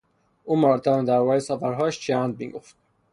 او مرتبا دربارهی سفرهایش چرند میگفت.